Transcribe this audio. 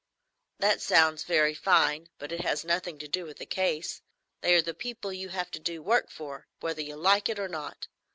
"That sounds very fine, but it has nothing to do with the case. They are the people you have to do work for, whether you like it or not.